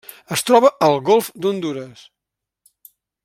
Es troba al Golf d'Hondures.